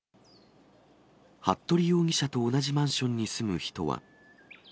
服部容疑者と同じマンションに住む人は。